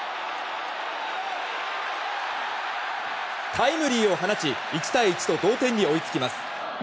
タイムリーを放ち１対１と同点に追いつきます。